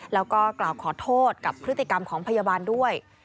แล้วก็กล่าวขอโทษกับพฤติกรรมของพยาบาลด้วย